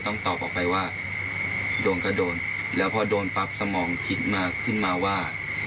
ต้องตอบออกไปว่าโดนก็โดนแล้วพอโดนปั๊บสมองคิดมาขึ้นมาว่า